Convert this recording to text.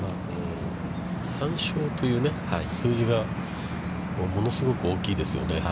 ３勝という数字が物すごく大きいですよね。